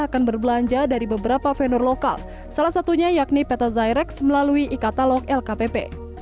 akan berbelanja dari beberapa vendor lokal salah satunya yakni peta zyrex melalui e katalog lkpp